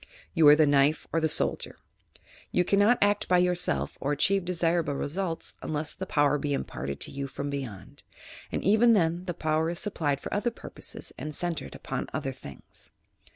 You are the knife or the soldier. You cannot act by yourself or achieve desirable results unless the power be imparted to you from beyond, and even then the power is supplied for other purposes and centred upon other things.